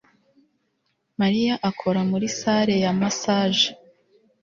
Mariya akora muri salle ya massage